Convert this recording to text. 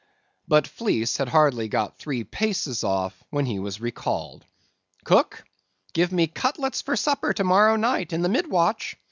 But Fleece had hardly got three paces off, when he was recalled. "Cook, give me cutlets for supper to morrow night in the mid watch.